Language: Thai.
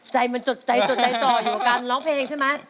ใจมันจดใจจ่อยกว่าการร้องเพลงใช่ไหม